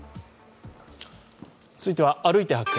続いては「歩いて発見！